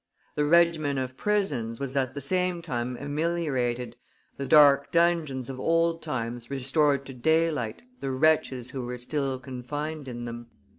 The regimen of prisons was at the same time ameliorated, the dark dungeons of old times restored to daylight the wretches who were still confined in them.